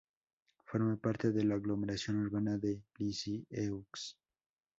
Forma parte de la aglomeración urbana de Lisieux.